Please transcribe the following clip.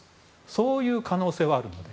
そういう可能性はあるので。